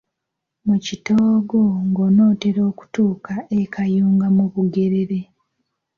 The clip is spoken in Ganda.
Mu kitoogo ng’onootera okutuuka e Kayunga mu Bugerere.